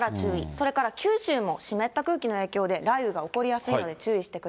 それから九州も湿った空気の影響で雷雨が起こりやすいので、注意一方